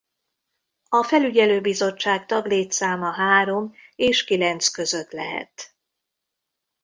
A felügyelőbizottság taglétszáma három és kilenc között lehet.